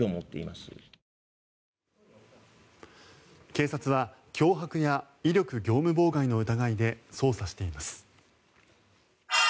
警察は脅迫や威力業務妨害の疑いで捜査しています。